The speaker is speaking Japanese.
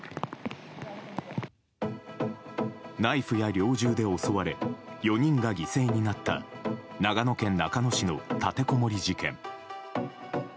ナイフや猟銃で襲われ４人が犠牲になった長野県中野市の立てこもり事件。